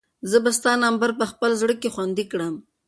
زه به ستا نمبر په خپل زړه کې خوندي کړم.